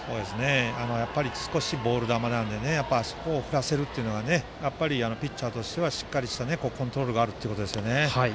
やはり少しボール球なのであそこを振らせるというのはピッチャーとしてはしっかりとしたコントロールがあるということですね。